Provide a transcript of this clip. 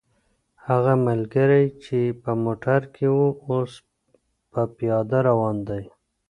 هغه ملګری چې په موټر کې و، اوس په پیاده روان دی.